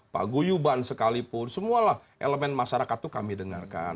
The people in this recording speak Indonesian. pak guyuban sekalipun semua elemen masyarakat itu kami dengarkan